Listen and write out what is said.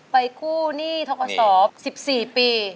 ไปคู่หนี้ทักว่าสอบ๑๔ปี